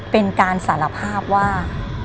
เป็นการสารภาพว่า